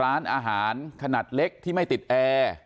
ร้านอาหารขนาดเล็กที่ไม่ติดแอร์